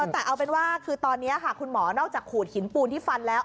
แต่เอาเป็นว่าคือตอนนี้ค่ะคุณหมอนอกจากขูดหินปูนที่ฟันแล้ว